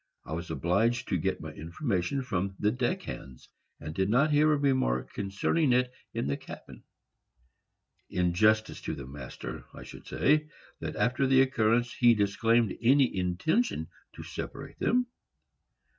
I was obliged to get my information from the deck hands, and did not hear a remark concerning it in the cabin. In justice to the master, I should say, that after the occurrence he disclaimed any intention to separate them.